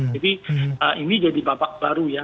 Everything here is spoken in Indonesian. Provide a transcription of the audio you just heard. jadi ini jadi babak baru ya